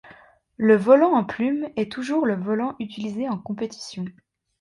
Le volant en plume est toujours le volant utilisé en compétition.